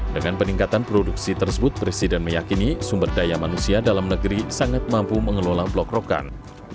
dengan peningkatan produksi tersebut presiden meyakini sumber daya manusia dalam negeri sangat mampu mengelola blok rokan